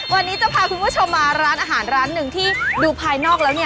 วันนี้จะพาคุณผู้ชมมาร้านอาหารร้านหนึ่งที่ดูภายนอกแล้วเนี่ย